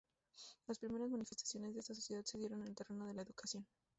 Las primeras manifestaciones de esta sociedad se dieron en el terreno de la educación.